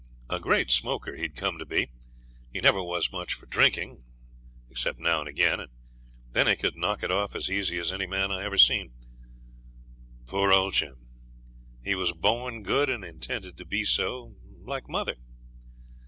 A great smoker he'd come to be. He never was much for drinking except now and again, and then he could knock it off as easy as any man I ever seen. Poor old Jim! He was born good and intended to be so, like mother.